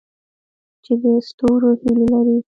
چې د ستورو هیلې لري؟